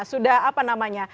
sudah apa namanya